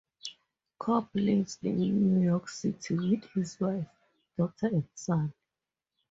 Cobb lives in New York City with his wife, daughter and son.